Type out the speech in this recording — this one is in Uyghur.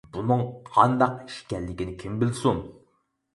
بۇنىڭ قانداق ئىش ئىكەنلىكىنى كىم بىلسۇن.